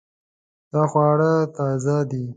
دا خواړه تازه دي